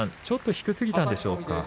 ちょっと引きすぎたんでしょうか？